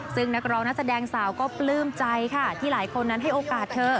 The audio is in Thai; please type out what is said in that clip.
ซึ่งนักร้องนักแสดงสาวก็ปลื้มใจค่ะที่หลายคนนั้นให้โอกาสเธอ